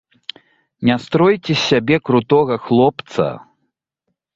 Не стройце з сябе крутога хлопца.